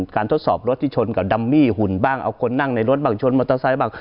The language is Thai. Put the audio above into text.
ทดสอบรถที่ชนกับดัมมี่หุ่นบ้างเอาคนนั่งในรถบ้างชนมอเตอร์ไซค์บ้าง